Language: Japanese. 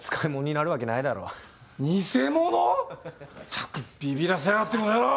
ったくびびらせやがってこの野郎！